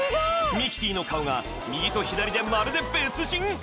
ミキティの顔が右と左でまるで別人！